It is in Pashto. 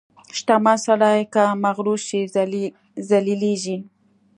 • شتمن سړی که مغرور شي، ذلیلېږي.